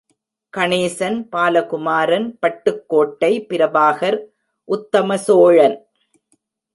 Ganesan, Balakumaran, Pattukkottai Prabhakar.... Uthamacholan.